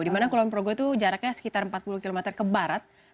dimana kulon progo itu jaraknya sekitar empat puluh km ke barat